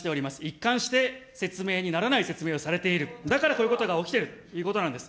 一貫して説明にならない説明をされている、だからこういうことが起きているということなんです。